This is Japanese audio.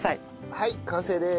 はい完成です！